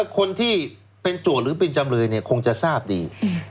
คนที่เป็นจวดหรือเป็นจำเลยเนี่ยคงจะทราบดี